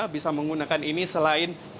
bisa menggunakan ini selain